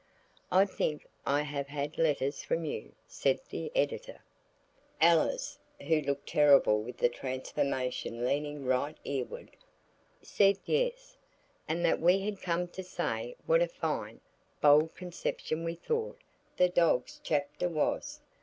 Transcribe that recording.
"I think I have had letters from you?" said the Editor. Alice, who looked terrible with the transformation leaning right ear ward, said yes, and that we had come to say what a fine, bold conception we thought the Doge's chapter was.